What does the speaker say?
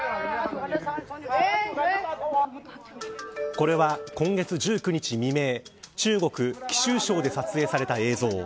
これは、今月１９日未明中国、貴州省で撮影された映像。